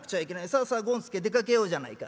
さあさ権助出かけようじゃないか。